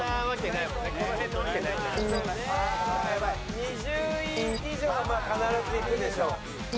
２０位以上は必ずいくでしょう。